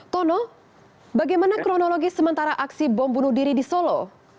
tono bagaimana kronologi sementara aksi bom bunuh diri di solo